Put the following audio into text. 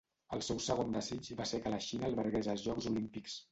El seu segon desig va ser que la Xina albergués els Jocs Olímpics.